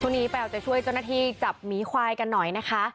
นี้ไปเอาใจช่วยเจ้าหน้าที่จับหมีควายกันหน่อยนะคะ